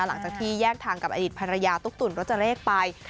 หลังจากที่แยกทางกับอดีตภรรยาตุ๊กตุ๋นรจเลขไป